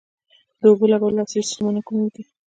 د اوبو لګولو عصري سیستمونه کوم دي؟